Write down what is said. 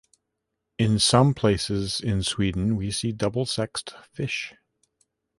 In some places in Sweden we see double-sexed fish.